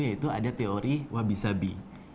yaitu ada teori wabi sabi